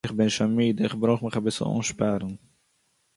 איך בין שוין מיד. איך ברויך מיך אביסל אנשפארן